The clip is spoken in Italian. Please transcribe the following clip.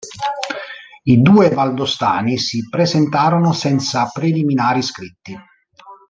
I due valdostani si presentarono senza preliminari scritti.